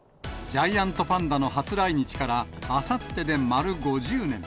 ジャイアントパンダの初来日からあさってで丸５０年。